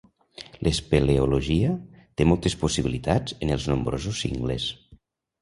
L'espeleologia té moltes possibilitats en els nombrosos cingles.